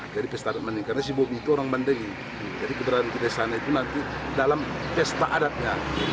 karena si bobi itu orang mandailing jadi keberangkatan kita di sana itu nanti dalam pesta adatnya